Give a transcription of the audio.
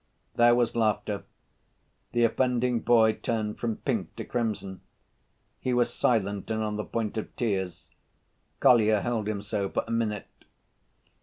There was laughter. The offending boy turned from pink to crimson. He was silent and on the point of tears. Kolya held him so for a minute.